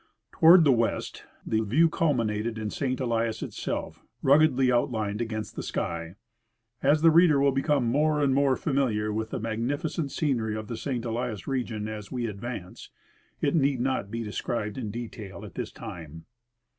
Toward the west the view culminated in St. Elias itself, ruggedly outlined against the sky. As the reader will become more and more familiar Avith the magnificent scenery of the St. Elias region as we advance, it need not be described in detail at this time.